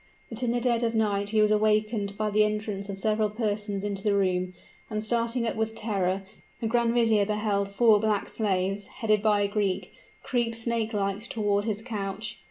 But in the dead of night he was awakened by the entrance of several persons into the room; and starting up with terror, the grand vizier beheld four black slaves, headed by a Greek, creep snake like toward his couch.